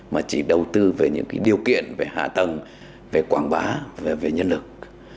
mà chỉ đầu tư về những điều kiện về hạ tầng về quảng bá về nhân lực